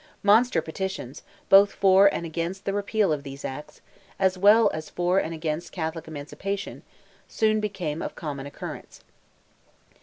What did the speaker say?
Monster petitions, both for and against the repeal of these acts, as well as for and against Catholic emancipation, soon became of common occurrence.